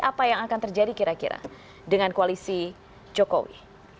apa yang akan terjadi kira kira dengan koalisi jokowi